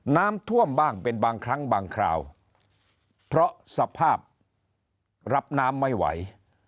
น้ำท่วมบ้างเป็นบางครั้งบางคราวเพราะสภาพรับน้ำไม่ไหว